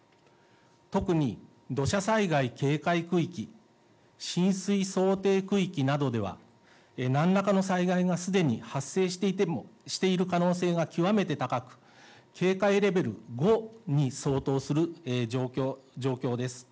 特に土砂災害警戒区域、浸水想定区域などでは、なんらかの災害がすでに発生している可能性が極めて高く、警戒レベル５に相当する状況です。